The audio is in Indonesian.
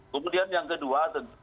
kemudian yang kedua